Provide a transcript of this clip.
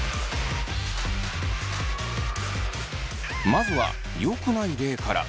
まずはよくない例から。